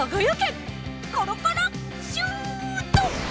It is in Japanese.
コロコロシュート！